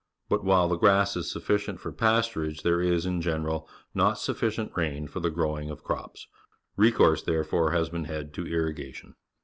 But while the grass is sufficient for pasturage, there is, in general, not sufficient rain for the growing of crops. Recourse, therefore, has been had to irrigation.